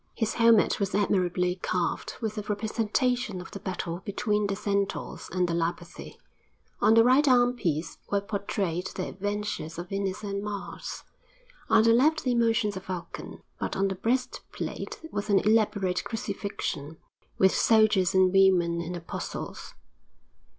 His helmet was admirably carved with a representation of the battle between the Centaurs and the Lapithæ; on the right arm piece were portrayed the adventures of Venus and Mars, on the left the emotions of Vulcan; but on the breast plate was an elaborate Crucifixion, with soldiers and women and apostles.